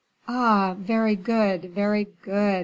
"Ah! very good, very good!"